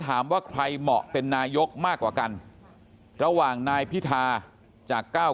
ถามว่าใครเหมาะเป็นนายกมากกว่ากันระหว่างนายพิธาจากเก้า